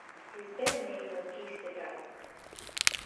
His bentname was "Geestigheid".